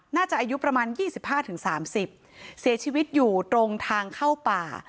น่าจะอายุประมาณยี่สิบห้าถึงสามสิบเสียชีวิตอยู่ตรงทางเข้าป่า